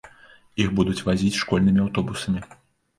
Іх будуць вазіць школьнымі аўтобусамі.